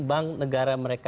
bank negara mereka